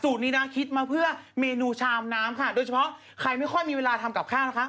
นี้นะคิดมาเพื่อเมนูชามน้ำค่ะโดยเฉพาะใครไม่ค่อยมีเวลาทำกับข้าวนะคะ